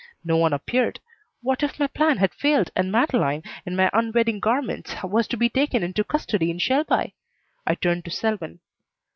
No one appeared. What if my plan had failed and Madeleine, in my un wedding garments, was to be taken into custody in Shelby? I turned to Selwyn.